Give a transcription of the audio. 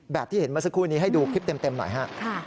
ที่เห็นเมื่อสักครู่นี้ให้ดูคลิปเต็มหน่อยฮะ